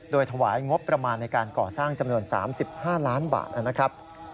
โดยถวายงบประมาณในการก่อสร้างจำนวน๓๕ล้านบาทนะครับ